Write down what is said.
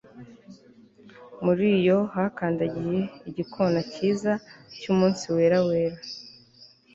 muriyo hakandagiye igikona cyiza cyumunsi wera wera